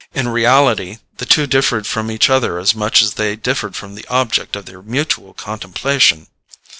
In reality, the two differed from each other as much as they differed from the object of their mutual contemplation.